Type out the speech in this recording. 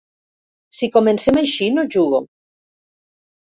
Si comencem així, no jugo.